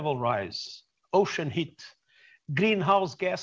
kondisi lautan di bumi meningkat